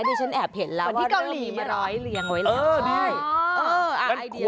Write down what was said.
แต่ฉันแอบเห็นแล้วว่าเรามีร้อยเลี้ยงไว้แล้วอ๋ออ่ออ่าไอเดียก็ดี